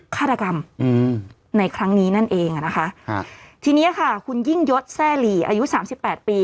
ฆาตกรรมอืมในครั้งนี้นั่นเองอ่ะนะคะทีเนี้ยค่ะคุณยิ่งยศแร่หลีอายุสามสิบแปดปี